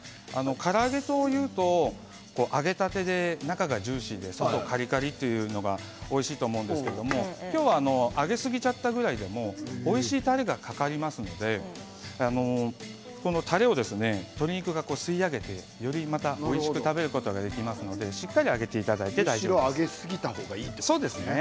から揚げというと揚げたてで中がジューシーで外はカリカリというのがおいしいと思うんですけど今日は揚げすぎちゃったぐらいでも、おいしいたれがかかりますのでたれを鶏肉が吸い上げてまたおいしく食べることができますので、しっかりむしろ揚げすぎた方がいいんですね。